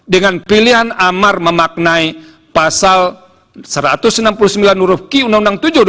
dengan pilihan amar memaknai pasal satu ratus enam puluh sembilan uruhki uu tujuh dua ribu tujuh belas